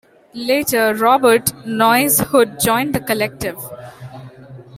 Later Robert "Noise" Hood joined the collective.